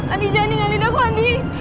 andi jangan dinggal lidah aku andi